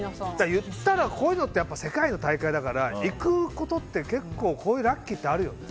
言ったらこういうのって世界の大会だから行くことで結構こういうラッキーってあるよね。